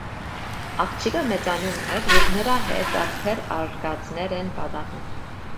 Աղջիկը մեծանում էր, և նրա հետ տարբեր արկածներ են պատահում։